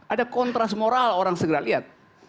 ada kontras moral orang segera lihat